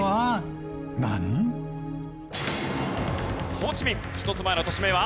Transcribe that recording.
ホーチミン１つ前の都市名は？